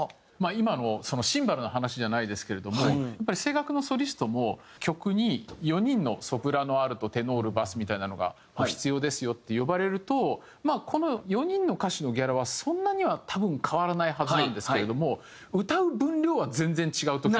今のシンバルの話じゃないですけれどもやっぱり声楽のソリストも曲に４人のソプラノアルトテノールバスみたいなのが必要ですよって呼ばれるとまあこの４人の歌手のギャラはそんなには多分変わらないはずなんですけれども歌う分量が全然違う時があるんですね。